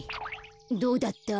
どうだった？